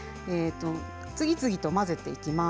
次々と混ぜていきます。